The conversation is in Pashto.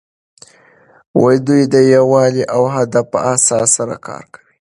دوی د یووالي او هدف په احساس سره کار کوي.